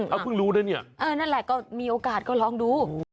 เอาเพิ่งรู้นะเนี่ยเออนั่นแหละก็มีโอกาสก็ลองดู